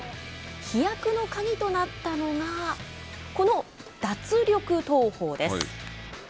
飛躍の鍵となったのがこの脱力投法です。